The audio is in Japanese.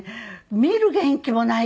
見る元気もないぐらい。